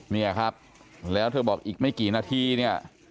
เนี่ยครับแล้วเธอบอกอีกไม่กี่นาทีเนี่ย